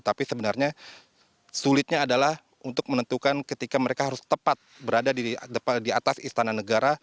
tapi sebenarnya sulitnya adalah untuk menentukan ketika mereka harus tepat berada di atas istana negara